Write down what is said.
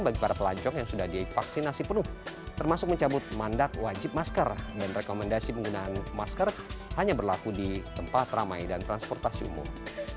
bagi para pelancong yang sudah divaksinasi penuh termasuk mencabut mandat wajib masker dan rekomendasi penggunaan masker hanya berlaku di tempat ramai dan transportasi umum